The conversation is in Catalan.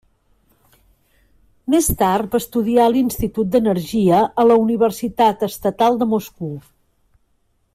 Més tard va estudiar a l'Institut d'Energia a la Universitat Estatal de Moscou.